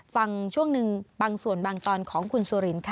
ช่วงหนึ่งบางส่วนบางตอนของคุณสุรินค่ะ